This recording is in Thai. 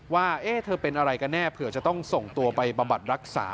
ว่าเธอเป็นอะไรกันแน่เผื่อจะต้องส่งตัวไปบำบัดรักษา